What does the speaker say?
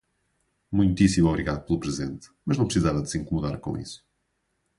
Muitíssimo obrigado pelo presente, mas não precisava se incomodar com isso.